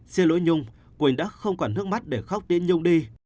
xin lỗi nhung quỳnh đã không còn nước mắt để khóc tiễn nhung đi